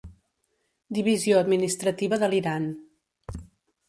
Divisió administrativa de l'Iran.